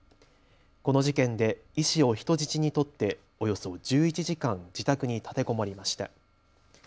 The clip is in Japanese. この事件で医師を人質に取っておよそ１１時間自宅に立てこもりました。